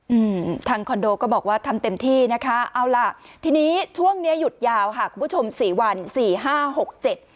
อืมทางคอนโดก็บอกว่าทำเต็มที่นะคะเอาล่ะทีนี้ช่วงเนี้ยหยุดยาวค่ะคุณผู้ชมสี่วันสี่ห้าหกเจ็ด